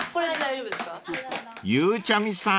［ゆうちゃみさん